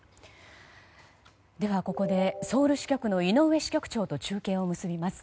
ではここで、ソウル支局の井上支局長と中継を結びます。